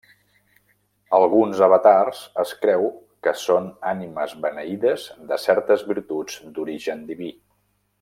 Alguns avatars es creu que són ànimes beneïdes de certes virtuts d'origen diví.